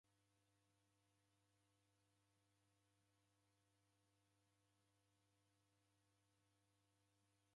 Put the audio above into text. Ripoti rimu rechuria refuma kwa mndu oandika habari.